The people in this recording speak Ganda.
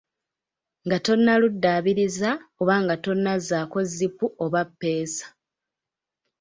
Nga tonnaluddaabiriza oba nga tonnazzaako zipu oba ppeesa.